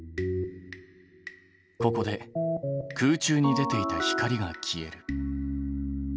ここで空中に出ていた光が消える。